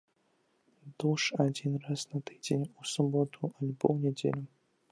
Душ адзін раз на тыдзень, у суботу, альбо ў нядзелю.